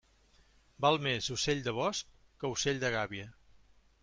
Val més ocell de bosc que ocell de gàbia.